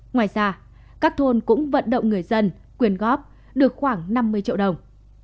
ngoài ra các thôn cũng vận động người dân quyền góp được khoảng năm mươi triệu đồng